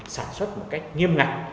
sản xuất một cách nghiêm ngặt